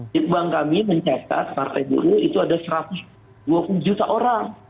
dit bank kami mencatat partai buruh itu ada satu ratus dua puluh juta orang